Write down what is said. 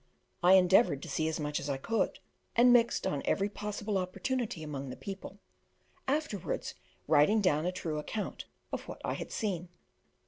I endeavoured to see as much as I could, and mixed on every possible opportunity among the people, afterwards writing down a true account of what I had seen.